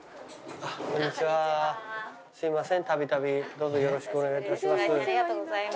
どうぞよろしくお願い致します。